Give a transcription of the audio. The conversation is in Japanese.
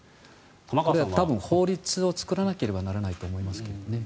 多分、法律を作らなければならないと思いますね。